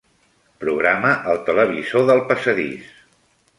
Programa el televisor del passadís.